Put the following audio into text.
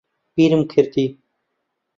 بیرم کردی